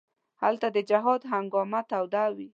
هلته د جهاد هنګامه توده کړي.